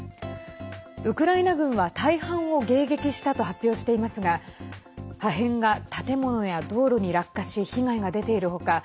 ウクライナ軍は大半を迎撃したと発表していますが破片が建物や道路に落下し被害が出ている他